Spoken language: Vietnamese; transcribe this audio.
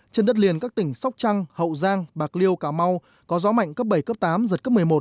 trên đất liền các tỉnh sóc trăng hậu giang bạc liêu cà mau có gió mạnh cấp bảy cấp tám giật cấp một mươi một